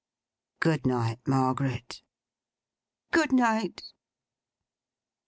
'Good night, Margaret.' 'Good night!